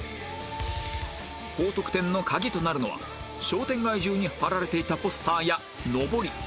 高得点の鍵となるのは商店街中に貼られていたポスターやのぼり